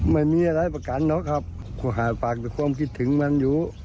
ไม่มีอะไรประกันหรอกครับก็หาปากแต่ความคิดถึงมันอยู่